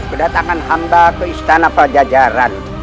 kedatangan hamba ke istana pajajaran